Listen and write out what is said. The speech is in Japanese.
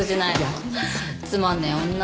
つまんねえ女。